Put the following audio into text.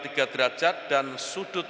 tiga derajat dan sudut